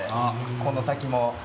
この先も。